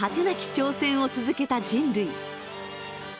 なき挑戦を続けた人類。